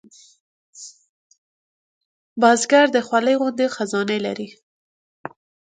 بزګر د خولې غوندې خزانې لري